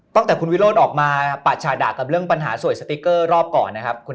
ตั้งแต่คุณวิโรธออกมาปะชาดะกับเรื่องปัญหาสวยสติ๊กเกอร์รอบก่อนนะครับ